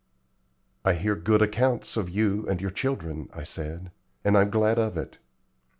"I hear good accounts of you and your children," I said, "and I'm glad of it.